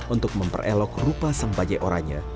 untuk memperelok rupa sang bajai oranya